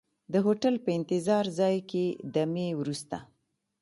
د هوټل په انتظار ځای کې دمې وروسته.